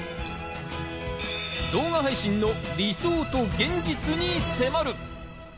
動画配信の理想と現実に迫る。